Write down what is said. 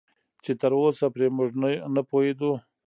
چې تراوسه پرې موږ نه پوهېدو